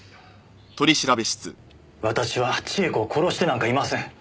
私は千枝子を殺してなんかいません。